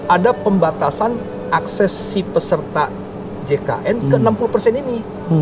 ada pembatasan akses si peserta jkn ke enam puluh persen ini